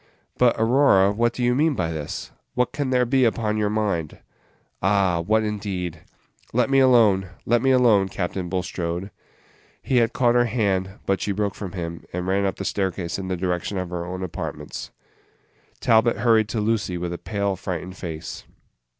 "But, Aurora, what do you mean by this? What can there be upon your mind?" "Ah! what indeed! Let me alone, let me alone, Captain Bulstrode." He had caught her hand, but she broke from him, and ran up the staircase in the direction of her own apartments. Talbot hurried to Lucy with a pale, frightened face.